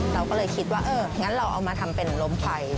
เราก็เลยคิดว่าเอองั้นเราเอามาทำเป็นล้มไฟ